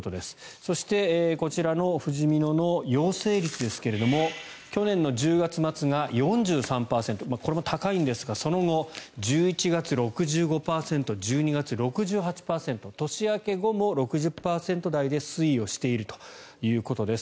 そして、こちらのふじみのの陽性率ですが去年の１０月末が４３％これも高いんですがその後１１月、６５％１２月、６８％年明け後も６０％台で推移しているということです。